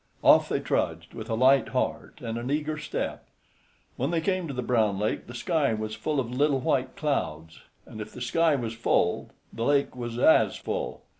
Off they trudged, with a light heart and an eager step. When they came to the Brown Lake the sky was full of little white clouds, and, if the sky was full, the lake was as full.